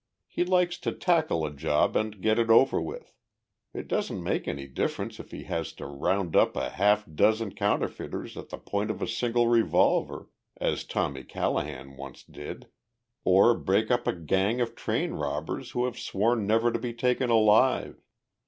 He likes to tackle a job and get it over with. It doesn't make any difference if he has to round up a half dozen counterfeiters at the point of a single revolver as Tommy Callahan once did or break up a gang of train robbers who have sworn never to be taken alive.